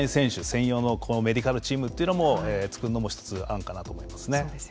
専用のメディカルチームというのも作るのも一つあるかなと思いますね。